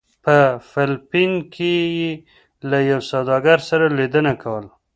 په فلپین کې یې له یو سوداګر سره لیدنه کوله.